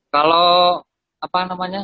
kalau apa namanya